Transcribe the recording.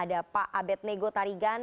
ada pak abed nego tarigan